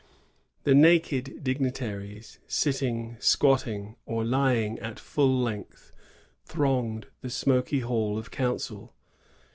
The naked dignita ries, sitting, squatting, or lying at full length, thronged the smoky hall of council.